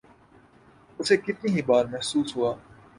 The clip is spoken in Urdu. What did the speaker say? اسے کتنی ہی بار محسوس ہوا۔